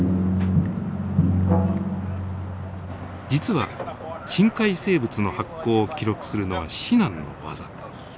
実は深海生物の発光を記録するのは至難の業。